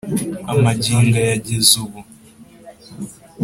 amagingo ayageza ubu.